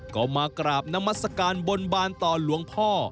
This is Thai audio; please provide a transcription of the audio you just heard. ก็มากราบนามัศกาลบนบานต่อหลวงพ่อ